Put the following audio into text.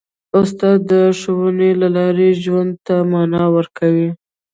استاد د ښوونې له لارې ژوند ته مانا ورکوي.